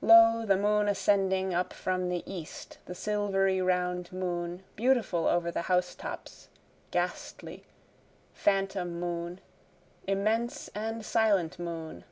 Lo, the moon ascending, Up from the east the silvery round moon, Beautiful over the house tops, ghastly, phantom moon, Immense and silent moon.